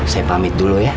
saya pamit dulu ya